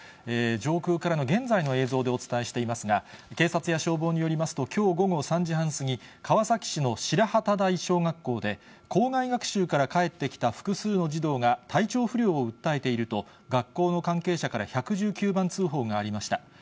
上空からの現在の映像でお伝えしていますが、警察や消防によりますと、きょう午後３時半過ぎ、川崎市の白幡台小学校で校外学習から帰ってきた複数の児童が、体調不良を訴えていると、学校の関係者から１１９番通報がありました。